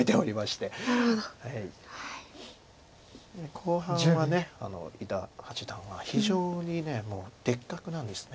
後半は伊田八段は非常にもう別格なんです。